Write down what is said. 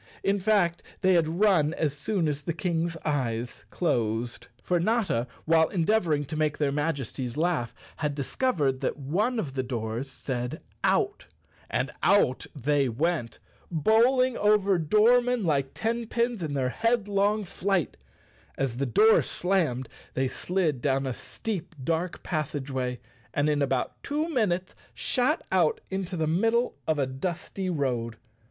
In fact they had run as soon as the Kang's eyes closed. For Notta, while endeavoring to make their Majesties laugh, had discovered that one of the doors said "Out." And out they went, bowling over 91 The Cowardly Lion of Oz _ doormen like ten pins in their headlong flight. As the door slammed they slid down a steep dark passageway and in about two minutes shot out into the middle of a dusty road.